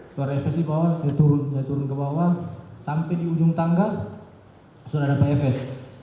suara efes di bawah saya turun ke bawah sampai di ujung tangga sudah ada pak efes